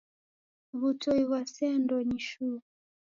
W'utoi ghwasea ndonyi shuu.